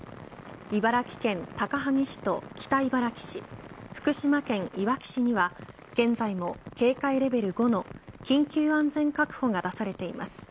茨城県高萩市と北茨城市、福島県いわき市には現在も、警戒レベル５の緊急安全確保が出されています。